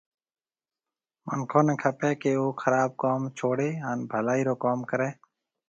مِنکون نَي کپيَ ڪيَ او خراب ڪوم ڇوڙيَ هانَ ڀلائِي رو ڪوم ريَ۔